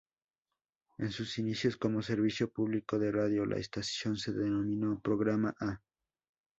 En sus inicios como servicio público de radio, la estación se denominó Programa "A".